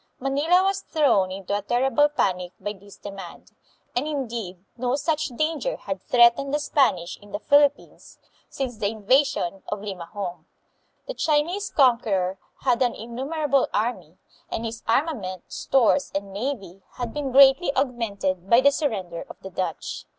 Manila was thrown into a terrible panic by this de mand, and indeed no such danger had threatened the Spanish in the Philippines since the invasion of Lima hong. The Chinese conqueror had an innumerable army, and his armament, stores, and navy had been greatly augmented by the surrender of the Dutch.